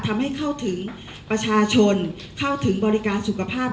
ทำให้เข้าถึงประชาชนเข้าถึงบริการสุขภาพ